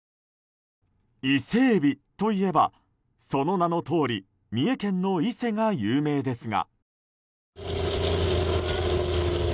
イセエビといえばその名のとおり三重県の伊勢が有名ですが。